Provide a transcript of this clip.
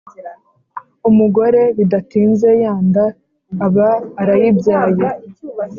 Umugore bidatinze yanda aba arayibyaye